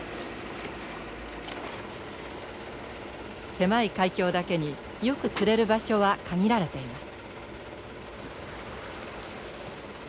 狭い海峡だけによく釣れる場所は限られています。